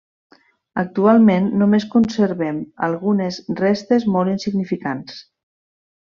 Actualment només conservem algunes restes molt insignificants.